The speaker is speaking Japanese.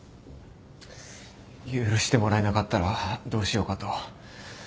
許してもらえなかったらどうしようかと。